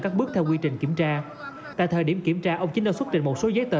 các bước theo quy trình kiểm tra tại thời điểm kiểm tra ông chính đã xuất trình một số giấy tờ